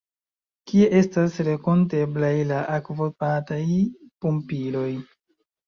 Kie estas renkonteblaj la akvobataj pumpiloj?